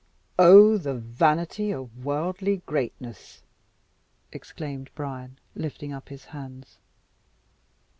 "Oh, the vanity of worldly greatness!" exclaimed Bryan, lifting up his hands.